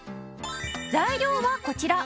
材料はこちら。